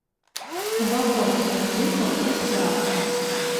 Уваход для музыкаў бясплатны.